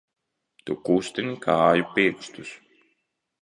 Tu kustini kāju pirkstus!